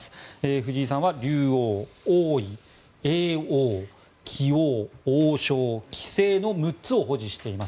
藤井さんは竜王、王位、叡王棋王、王将、棋聖の６つを保持しています。